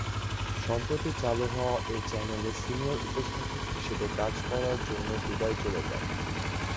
সম্প্রতি চালু হওয়া এ চ্যানেলে সিনিয়র উপস্থাপক হিসেবে কাজ করার জন্য দুবাই চলে যান।